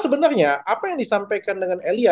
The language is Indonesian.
sebenarnya apa yang disampaikan dengan elia